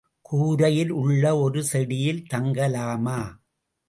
கரையில் உள்ள ஒரு செடியில் தங்கலாமா?